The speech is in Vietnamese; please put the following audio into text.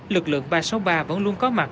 lực lượng ba trăm sáu mươi ba vẫn luôn có mặt